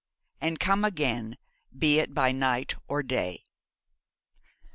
'AND COME AGEN BE IT BY NIGHT OR DAY.'